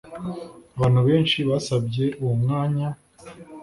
abantu benshi basabye uwo mwanya